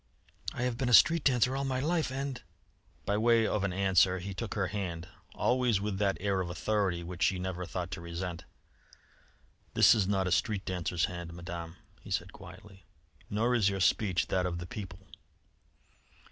I have been a street dancer all my life, and " By way of an answer he took her hand, always with that air of authority which she never thought to resent. "This is not a street dancer's hand; Madame," he said quietly. "Nor is your speech that of the people."